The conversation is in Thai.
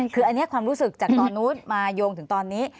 คืออันนี้ความรู้สึกจากตอนนู้นมาโยงถึงตอนนี้